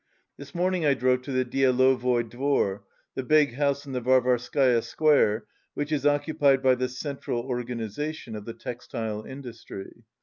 This morning I drove to the DIelovoi Dvor, the big house on the Varvarskaya Square which is occupied by the central organization of the textile industry.